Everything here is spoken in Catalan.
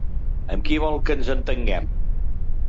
Amb qui vol que ens entenguem?